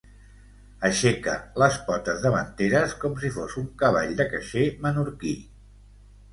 Aixeca les potes davanteres com si fos un cavall de caixer menorquí.